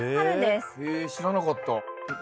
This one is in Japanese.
へえ知らなかった。